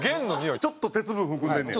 ちょっと鉄分含んでんねや。